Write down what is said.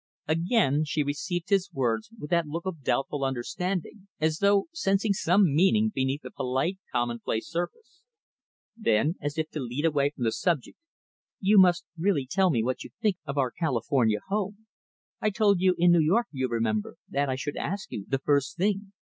Again, she received his words with that look of doubtful understanding as though sensing some meaning beneath the polite, commonplace surface. Then, as if to lead away from the subject "You must really tell me what you think of our California home. I told you in New York, you remember, that I should ask you, the first thing.